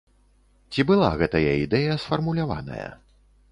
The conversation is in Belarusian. Ці была гэтая ідэя сфармуляваная?